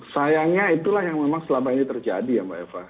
sayangnya itulah yang memang selama ini terjadi ya mbak eva